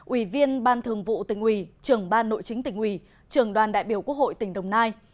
ủy viên ban thường vụ tỉnh ủy trưởng ban nội chính tỉnh ủy trưởng đoàn đại biểu quốc hội tỉnh đồng nai